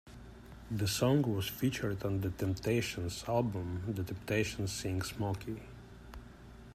The song was featured on the Temptations album "The Temptations Sing Smokey".